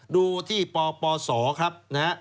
ดูที่ปศครับ